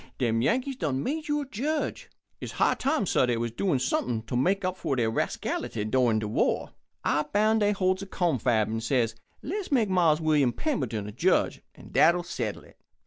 Dem Yankees done made you er judge? It's high time, sah, dey was doin' somep'n to make up for dey rascality endurin' de war. I boun' dey holds a confab and says: 'Le's make Mars William Pemberton er judge, and dat'll settle it.'